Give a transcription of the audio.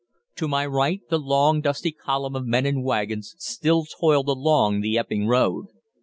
To my right the long dusty column of men and waggons still toiled along the Epping Road.